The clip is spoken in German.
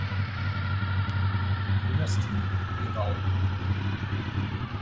Dynastie gebaut.